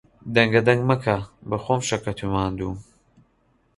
دەنگەدەنگ مەکە، بەخۆم شەکەت و ماندووم.